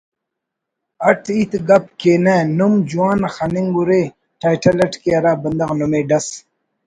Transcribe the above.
اٹ ہیت گپ کینہ نم جوان خننگ اُرے ٹائٹل اٹ کہ ہرا بندغ نمے ڈس